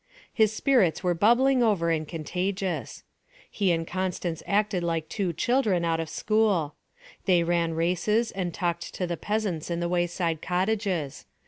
His spirits were bubbling over and contagious. He and Constance acted like two children out of school. They ran races and talked to the peasants in the wayside cottages.